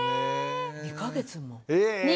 ２か月も！